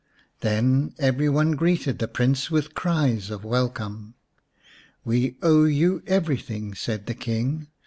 Then every one greeted the Prince with cries of welcome. "We owe you everything," said the King.